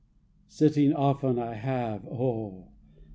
Sitting often I have, oh!